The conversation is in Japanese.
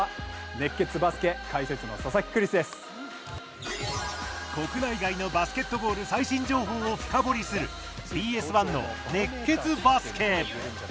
「熱血バスケ」解説の国内外のバスケットボール最新情報を深掘りするＢＳ１の「熱血バスケ」。